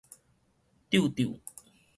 搐搐